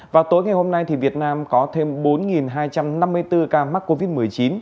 vào tối ngày hôm nay việt nam có thêm bốn hai trăm năm mươi bốn ca mắc covid một mươi chín